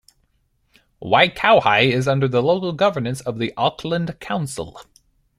Waikowhai is under the local governance of the Auckland Council.